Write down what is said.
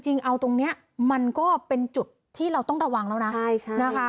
เอาตรงนี้มันก็เป็นจุดที่เราต้องระวังแล้วนะนะคะ